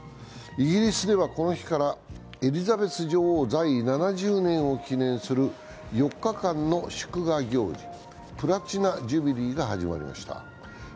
イギリスではこの日からエリザベス女王在位７０年を記念する４日間の祝賀行事、プラチナ・ジュビリーが始まりました。